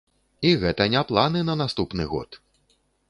І гэта не планы на наступны год!